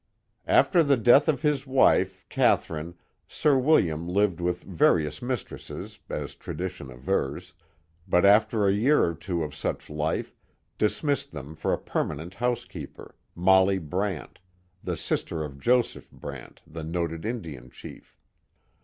*' After the death of his wife, Catherine, Sir William lived with various mistresses, as tradition avers, but after a year or two of such life, dismissed them for a permanent housekeeper — Molly Brant, the sister of Joseph Brant, the noted Indian chief.